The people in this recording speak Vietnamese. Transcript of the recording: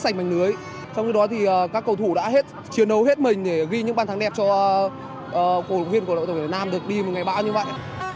các cầu thủ đã chiến đấu hết mình để ghi những ban thắng đẹp cho đội tuyển việt nam được đi một ngày bão như vậy